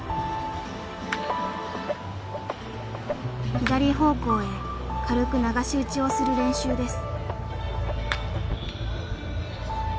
左方向へ軽く流し打ちをする練習です。